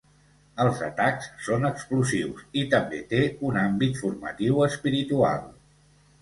Els atacs són explosius i també té un àmbit formatiu espiritual.